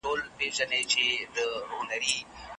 ما د کلي د نوي ژوند په اړه ځینې یادښتونه ولیکل.